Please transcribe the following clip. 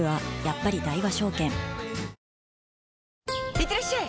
いってらっしゃい！